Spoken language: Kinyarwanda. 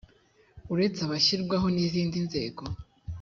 uretse abashyirwaho n izindi nzego